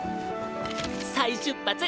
再出発！